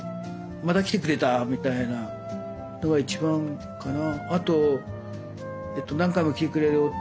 また来てくれたみたいなのが一番かな。